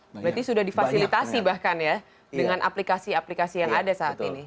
berarti sudah difasilitasi bahkan ya dengan aplikasi aplikasi yang ada saat ini